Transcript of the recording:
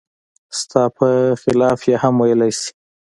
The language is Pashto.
ستا په خلاف یې هم ویلای شي.